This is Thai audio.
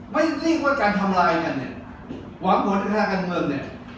ไม่ริ่งว่าการทำร้ายกันเนี้ยหวังผลตัวข้างกันเมืองเนี้ย